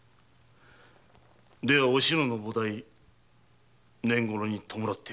ではおしのの菩提ねんごろに弔ってやれ。